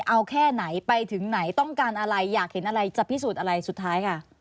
เอาแค่ไหนไปถึงไหนต้องการอะไรอยากเห็นอะไรจะพิสูจน์อะไรสุดท้ายค่ะ